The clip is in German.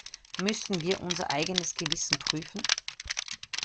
Müssen wir unser eigenes Gewissen prüfen?